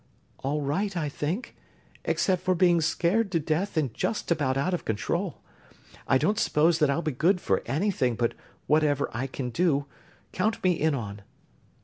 "All right, I think, except for being scared to death and just about out of control. I don't suppose that I'll be good for anything, but whatever I can do, count me in on."